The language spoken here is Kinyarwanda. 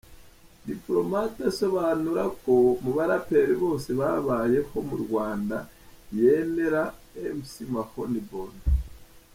Diplomate asobanura ko mu baraperi bose babayeho mu Rwanda yemera gusa Mc Mahoniboni.